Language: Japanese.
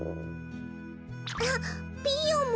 あっピーヨンも。